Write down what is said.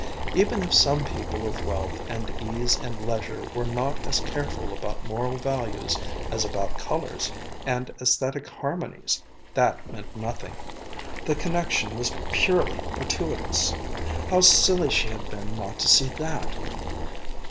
Even if some people of wealth and ease and leisure were not as careful about moral values as about colors, and aesthetic harmonies that meant nothing. The connection was purely fortuitous. How silly she had been not to see that.